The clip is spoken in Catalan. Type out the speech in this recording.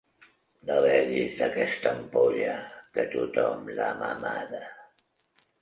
No beguis d'aquesta ampolla, que tothom l'ha mamada.